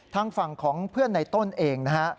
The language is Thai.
ทางฝั่งของเพื่อนในต้นเองนะฮะ